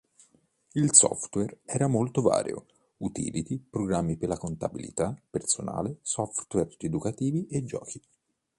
Il software era molto vario: utility, programmi per contabilità personale, software educativi e giochi.